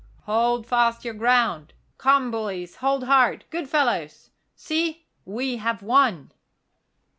Hold fast your ground! Come, bullies, hold hard! Good fellows! See, we have won!"